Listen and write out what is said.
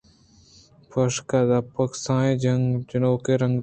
پوشاکءُداب ءَ کسانیں جنکوے ءِ رنگ ءَ اَت